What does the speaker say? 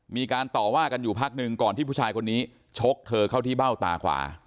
มีการต่อว่ากันอยู่พักหนึ่งก่อนที่ผู้ชายคนนี้ชกเธอเข้าที่เบ้าตาขวา